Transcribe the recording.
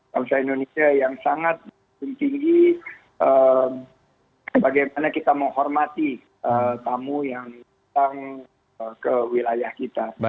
bangsa indonesia yang sangat tinggi bagaimana kita menghormati tamu yang datang ke wilayah kita